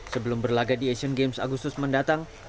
sebelum berlagak di asian games agustus mendatang